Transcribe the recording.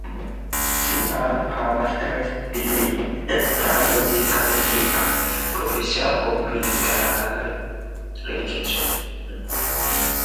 She earned her master's degree and is currently a professor of physical education.